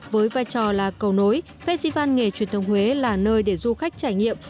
với vai trò là cầu nối festival nghề truyền thống huế là nơi để du khách trải nghiệm